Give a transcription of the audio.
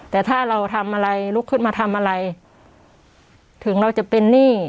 แต่ถ้าเราทำอะไรลุกขึ้นมาทำอะไรถึงเราจะเป็นหนี้